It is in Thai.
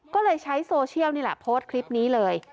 ก็เลยใช้โซเชียลนี่แหละโพสต์คลิปนี้เลย